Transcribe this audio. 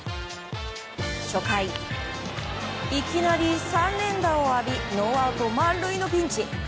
初回、いきなり３連打を浴びノーアウト満塁のピンチ。